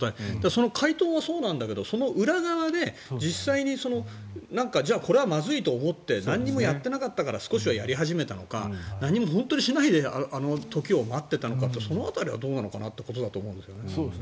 その回答はそうなんだけどその裏側で実際にこれはまずいと思って何もやっていなかったから少しはやり始めたのか何も本当にしないで時を待っていたのかってその辺りはどうなのかなということだと思いますね。